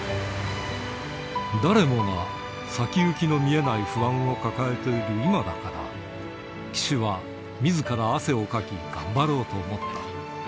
誰もが先行きの見えない不安を抱えている今だから、岸はみずから汗をかき、頑張ろうと思った。